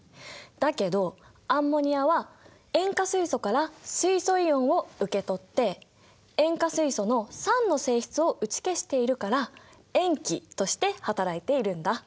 だけどアンモニアは塩化水素から水素イオンを受け取って塩化水素の酸の性質を打ち消しているから塩基として働いているんだ。